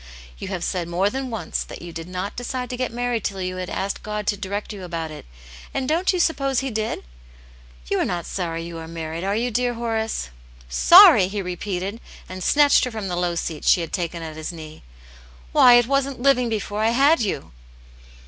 " You have said more than once that you did not decide to get married till you had asked God to direct you about it, and don't you suppose He did t You are not sorry you are niarried, are you, dear Horace V^ ^^ Sorry r he repeated, and snatched her from the low seat she had taken at his knee. " Why, it wasn't living before I had you